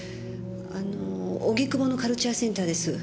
あの荻窪のカルチャーセンターです。